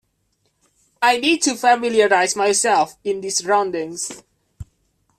I need to familiarize myself in these surroundings.